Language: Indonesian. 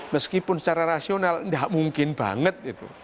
meskipun secara rasional nggak mungkin banget